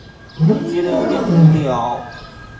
覺得有點無聊